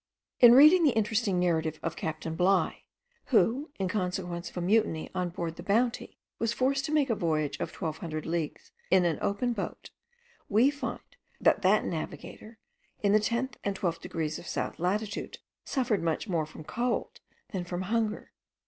In reading the interesting narrative of captain Bligh, who, in consequence of a mutiny on board the Bounty, was forced to make a voyage of twelve hundred leagues in an open boat, we find that that navigator, in the tenth and twelfth degrees of south latitude, suffered much more from cold than from hunger.